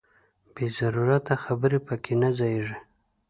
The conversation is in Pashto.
بې ضرورته خبرې پکې نه ځاییږي.